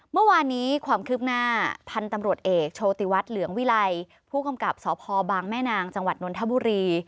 เมื่อวานนี้ความคืบหน้าพันธุ์ตำรวจเอกโชติวัฒน์เหลืองวิลัยผู้กำกับสพบางแม่นางจังหวัดนนทบุรี